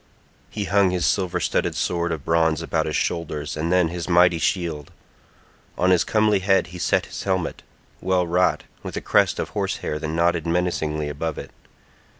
He hung his silver studded sword of bronze about his shoulders, and then his mighty shield. On his comely head he set his helmet, well wrought, with a crest of horse hair that nodded menacingly above it.